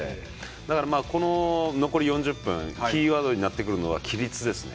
だから、残り４０分キーワードになるのは規律ですね。